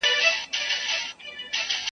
رډي سترګي یې زمري ته وې نیولي .